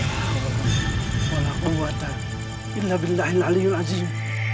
astagfirullahaladzim ya allah walaupun wadah ilhamillahilalaihuazim